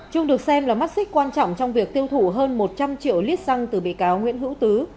trung được xem là mắt xích quan trọng trong việc tiêu thụ hơn một trăm linh triệu lít xăng từ bị cáo nguyễn hữu tứ